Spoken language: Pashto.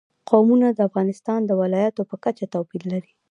قومونه د افغانستان د ولایاتو په کچه توپیر لري.